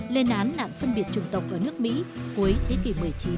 lên án nạn phân biệt chủng tộc ở nước mỹ cuối thế kỷ một mươi chín